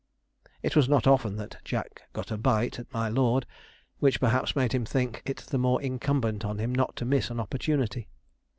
It was not often that Jack got a 'bite' at my lord, which, perhaps, made him think it the more incumbent on him not to miss an opportunity.